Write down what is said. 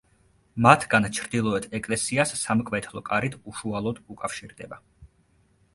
მათგან ჩრდილოეთ ეკლესიას სამკვეთლო კარით უშუალოდ უკავშირდება.